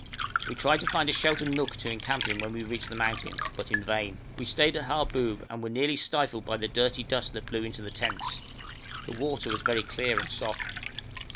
We tried to find a sheltered nook to encamp in when we reached the mountains, but in vain. We stayed at Harboub, and were nearly stifled by the dirty dust that blew into the tents. The water was very clear and soft.